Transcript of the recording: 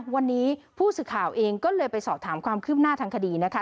วันนี้ผู้สื่อข่าวเองก็เลยไปสอบถามความคืบหน้าทางคดีนะคะ